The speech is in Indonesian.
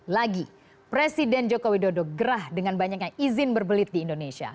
lagi presiden jokowi dodo gerah dengan banyak yang izin berbelit di indonesia